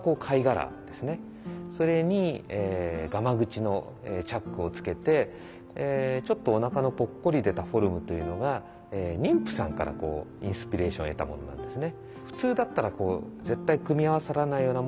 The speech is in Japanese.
それにがま口のチャックを付けてちょっとおなかのポッコリ出たフォルムというのが妊婦さんからインスピレーションを得たものなんですね。